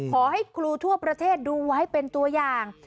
ขอให้ครูทั่วประเทศดูไว้เป็นตัวอย่าง